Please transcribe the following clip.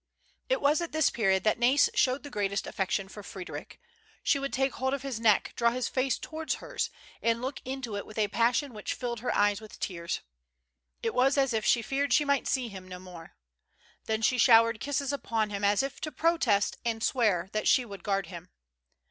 It was at this period that Na'is showed the greatest affection for Freddric. She would take hold of his neck draw his face towards hers, and look into it with a pas sion which filled her eyes with tears. It was as if she feared she might see him no more. Then she showered kisses upon him as if to protest and swear that she would guard him.